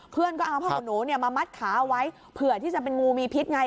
เพื่อนก็เอาผ้าขนหนูมามัดขาเอาไว้เผื่อที่จะเป็นงูมีพิษไง